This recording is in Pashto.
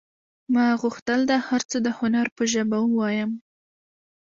ما غوښتل دا هر څه د هنر په ژبه ووایم